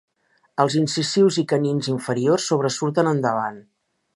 Els incisius i canins inferiors sobresurten endavant.